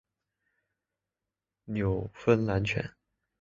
纽芬兰犬。